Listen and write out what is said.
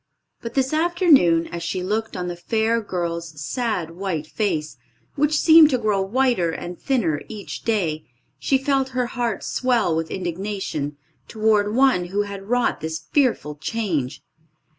But, this afternoon, as she looked on the fair girl's sad, white face, which seemed to grow whiter and thinner each day, she felt her heart swell with indignation toward one who had wrought this fearful change.